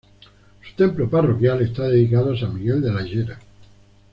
Su templo parroquial está dedicado a San Miguel de la Llera.